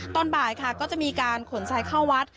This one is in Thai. ตอนบ่ายค่ะก็จะมีการขนทรายเข้าวัด